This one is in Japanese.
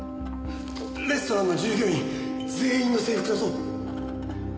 レストランの従業員全員の制服だぞ。